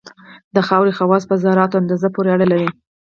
د خاورې خواص په ذراتو اندازه پورې اړه لري